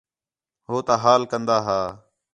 ہو تا حال گندا ہا